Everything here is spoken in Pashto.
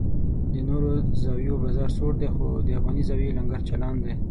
د نورو زاویو بازار سوړ دی خو د افغاني زاویې لنګر چالان دی.